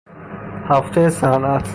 هفته صنعت